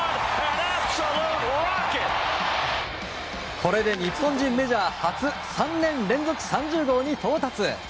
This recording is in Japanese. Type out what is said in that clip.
これで日本人メジャー初３年連続３０号に到達。